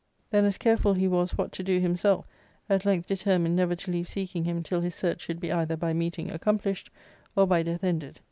). Then as careful he was what to do himself ; at length de termined never to leave seeking him till his search should be either by meeting accomplished or by death ended.